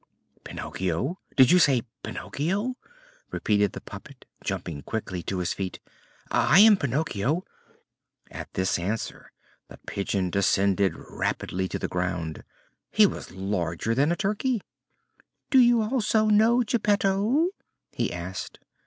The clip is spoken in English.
"Pinocchio? Did you say Pinocchio?" repeated the puppet, jumping quickly to his feet. "I am Pinocchio!" At this answer the Pigeon descended rapidly to the ground. He was larger than a turkey. "Do you also know Geppetto?" he asked.